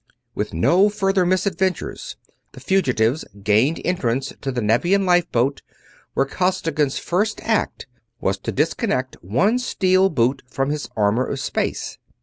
With no further misadventures the fugitives gained entrance to the Nevian lifeboat, where Costigan's first act was to disconnect one steel boot from his armor of space.